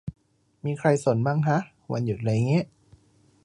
มีใครสนมั่งฮะ วันหยุดไรงี้